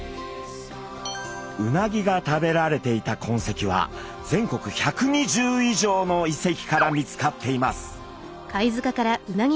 うなぎが食べられていた痕跡は全国１２０以上の遺跡から見つかっています。